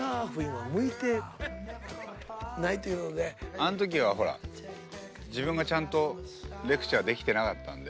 あんときはほら自分がちゃんとレクチャーできてなかったんで。